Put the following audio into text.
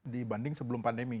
dibanding sebelum pandemi